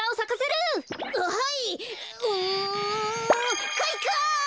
うんかいか！